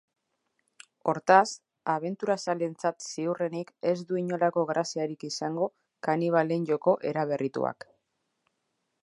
Hortaz, abenturazaleentzat ziurrenik ez du inolako graziarik izango kanibalen joko eraberrituak.